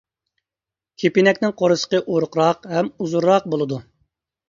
كېپىنەكنىڭ قورسىقى ئورۇقراق ھەم ئۇزۇنراق بولىدۇ.